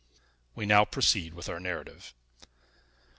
We now proceed with our narrative.